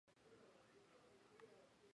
家纹是丸桔梗。